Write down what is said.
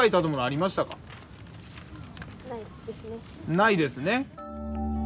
ないですね。